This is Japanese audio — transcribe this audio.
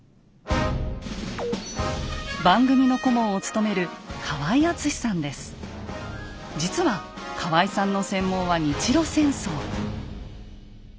番組の顧問を務める実は河合さんの専門は日露戦争。